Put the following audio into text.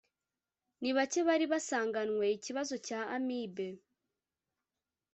ni bake bari basanganywe ikibazo cya amibe